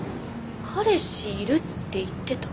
彼氏いるって言ってた？